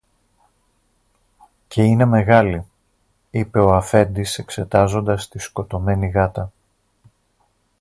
Και είναι μεγάλη, είπε ο αφέντης εξετάζοντας τη σκοτωμένη γάτα